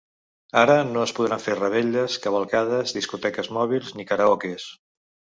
Ara, no es podran fer revetlles, cavalcades, discoteques mòbils ni karaokes.